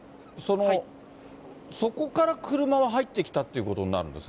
そこから車が入ってきたということになるんですか？